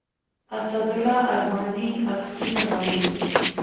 اسدالله ارماني عکسونه راولېږل.